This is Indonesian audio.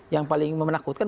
yang paling memenakutkan